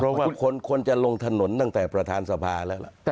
เพราะว่าทุกคนควรจะลงถนนตั้งแต่ประธานสภาแล้วล่ะ